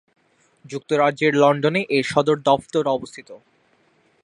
যুক্তরাজ্যের লন্ডনে এর সদর দফতর অবস্থিত।